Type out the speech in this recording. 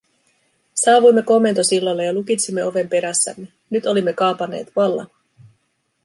Saavuimme komentosillalle ja lukitsimme oven perässämme - nyt olimme kaapanneet vallan.